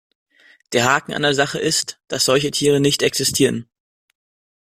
Der Haken an der Sache ist, dass solche Tiere nicht existieren.